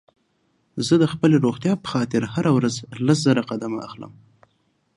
زه د خپلې روغتيا په خاطر هره ورځ لس زره قدمه اخلم